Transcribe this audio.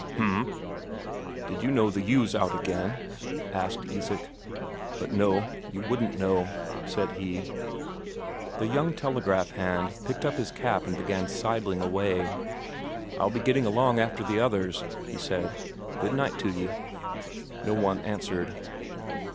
"H'm. Did you know that ewe's out again?" asked Isak. "But no, you wouldn't know," said he. The young telegraph hand picked up his cap and began sidling away. "I'll be getting along after the others," he said. "Good night to ye." No one answered.